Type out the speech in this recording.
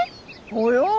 およ。